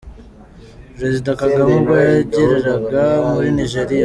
Perezida Kagame ubwo yageraga muri Nigeria.